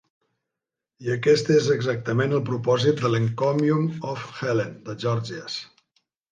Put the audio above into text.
I aquest és exactament el propòsit de l'"Encomium of Helen" de Gorgias.